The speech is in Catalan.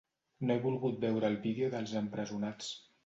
No he volgut veure el vídeo dels empresonats.